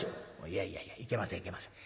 「いやいやいやいけませんいけません。